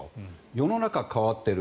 世の中、変わっている。